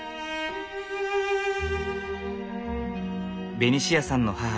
ベニシアさんの母